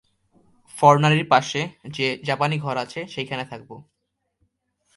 ফর্ণারির পাশে যে জাপানি ঘর আছে সেইখানে থাকব।